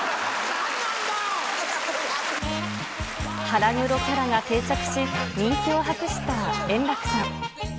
腹黒キャラが定着し、人気を博した円楽さん。